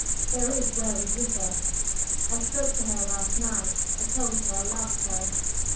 There is where we differ. I spoke to her last night, I told her I loved her."